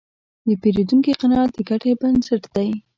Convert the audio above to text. د پیرودونکي قناعت د ګټې بنسټ دی.